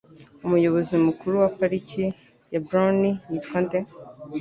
Umuyobozi mukuru wapariki ya Brownie yitwa nde?